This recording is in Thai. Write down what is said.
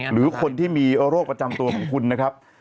หรือคนที่มีโรคประจำตัวของคุณนะครับ